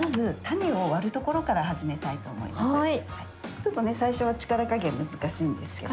ちょっとね最初は力加減難しいんですけど。